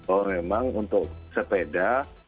oh memang untuk sepeda